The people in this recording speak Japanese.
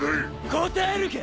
答えるか！